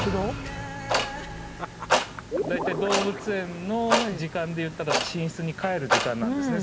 動物園の時間でいったら寝室に帰る時間なんですね